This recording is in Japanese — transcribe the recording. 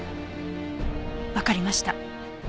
わかりました。